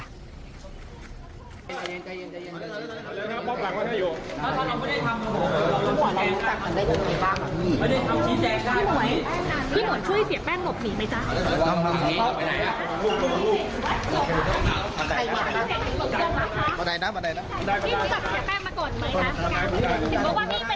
อ่าอ้ออออออ๋อเหรอครับหล่ากับเสียแป้งนะครับฟรี